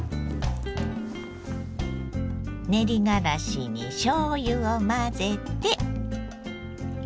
練りがらしにしょうゆを混ぜて。